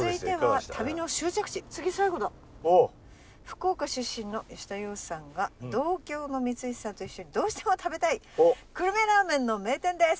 「福岡出身の吉田羊さんが同郷の光石さんと一緒にどうしても食べたい“久留米ラーメン”の名店です！！」